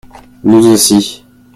Nous aussi.